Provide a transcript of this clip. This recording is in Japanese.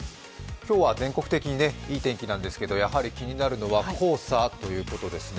今日は全国的にいい天気なんですけど、やはり気になるのは黄砂ということですね。